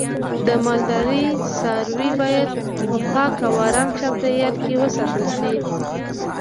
د مالدارۍ څاروی باید په پاکه او آرامه چاپیریال کې وساتل شي.